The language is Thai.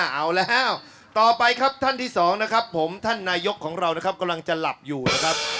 เอาแล้วต่อไปครับท่านที่สองนะครับผมท่านนายกของเรานะครับกำลังจะหลับอยู่นะครับ